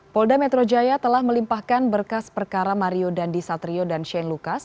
polda metro jaya telah melimpahkan berkas perkara mario dandi satrio dan shane lucas